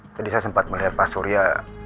tadi saya sempat melihat pak surya